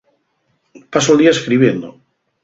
Paso'l día escribiendo.